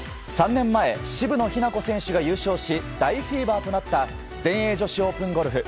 ３年前、渋野日向子選手が優勝し、大フィーバーとなった全英女子オープンゴルフ。